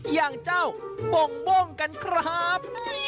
อย่างเจ้าโบงกันครับ